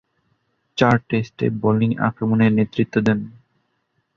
চার টেস্টে বোলিং আক্রমণে নেতৃত্ব দেন।